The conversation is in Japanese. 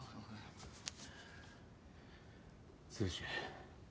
剛。